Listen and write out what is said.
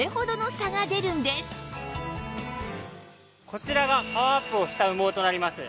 こちらがパワーアップをした羽毛となります。